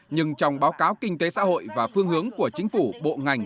nhưng trong báo cáo kinh tế xã hội và phương hướng của chính phủ bộ ngành